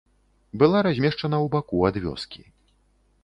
Была размешчана ў баку ад вёскі.